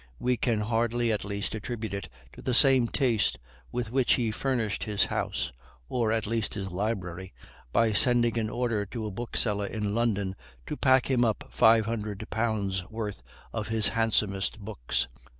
We can hardly, at least, attribute it to the same taste with which he furnished his house, or at least his library, by sending an order to a bookseller in London to pack him up five hundred pounds' worth of his handsomest books.